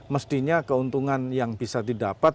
mestinya keuntungan yang bisa didapat